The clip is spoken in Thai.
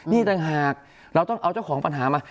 นี่ต่างหากเราต้องเอาเจ้าของปัญหามา